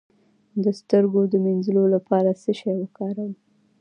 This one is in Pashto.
د سترګو د مینځلو لپاره باید څه شی وکاروم؟